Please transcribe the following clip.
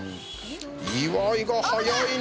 岩井が早いな！